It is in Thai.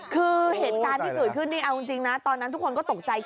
คือเหตุการณ์ที่เกิดขึ้นนี่เอาจริงนะตอนนั้นทุกคนก็ตกใจ